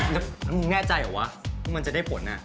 แล้วมึงแน่ใจเหรอวะมันจะได้ผล